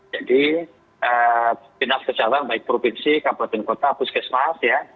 jadi dinas kesehatan baik provinsi kabupaten kota puskesmas ya